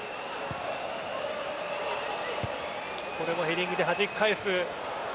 これもヘディングではじき返す。